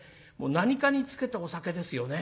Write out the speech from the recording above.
何かにつけてお酒ですよね。